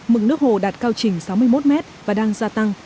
mực nước hồ đạt cao trình sáu mươi một mét và đang gia tăng